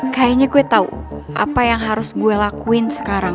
kayaknya gue tau apa yang harus gue lakuin sekarang